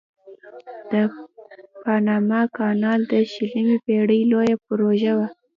د پاناما کانال د شلمې پیړۍ لویه پروژه وه.